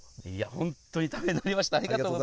本当にためになりました。